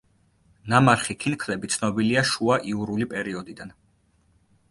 ნამარხი ქინქლები ცნობილია შუა იურული პერიოდიდან.